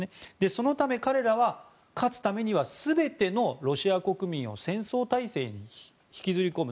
そのため、彼らは勝つためには全てのロシア国民を戦争態勢に引きずり込む。